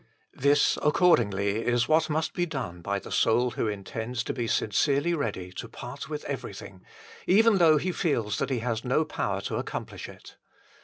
This, accordingly, is what must be done by the soul who intends to be sincerely ready to part with everything, even though he feels that he has no power to accomplish it.